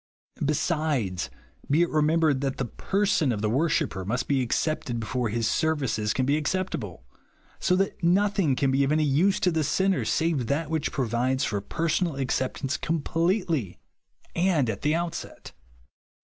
Besides, be it remem bered that the person of the worshipper must be accepted before his services can be accejjtable ; so that nothing can be of any use to the sinner save that which provides for personal acceptance completely, and at the outset.